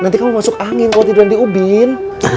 nanti kamu masuk angin kalau tiduran di ubin